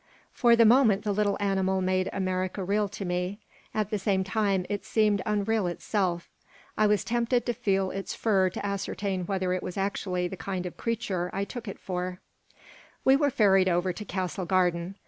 For the moment the little animal made America real to me. At the same time it seemed unreal itself. I was tempted to feel its fur to ascertain whether it was actually the kind of creature I took it for We were ferried over to Castle Garden.